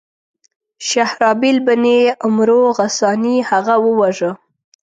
شهرابیل بن عمرو غساني هغه وواژه.